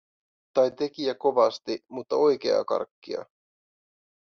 Tai teki ja kovasti, mutta oikeaa karkkia.